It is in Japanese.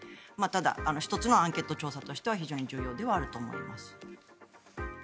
ただ、１つのアンケート調査としては非常に重要ではあると思います。